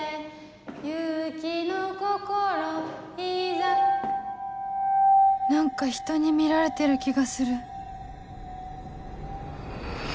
勇気の心いざ何かひとに見られてる気がする